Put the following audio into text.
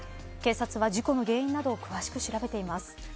警察は事故の原因などを詳しく調べています。